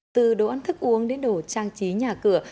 từ đồ ăn thức uống đến đồ trang trí nhà cửa